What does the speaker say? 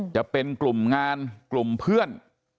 จะเป็นกลุ่มงานกลุ่มเพื่อน